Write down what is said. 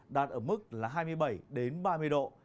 đạt ở mức là hai mươi bảy ba mươi độ